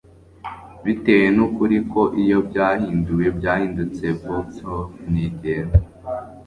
Bitewe Nukuri Ko Iyo Byahinduwe Byahindutse Vauxhall Ntigenda